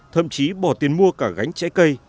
thậm chí bỏ tiền mua cả gánh trái cây